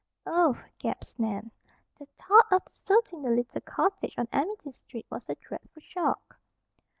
"Oh!" gasped Nan. The thought of deserting the little cottage on Amity Street was a dreadful shock.